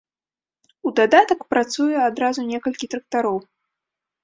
У дадатак працуе адразу некалькі трактароў.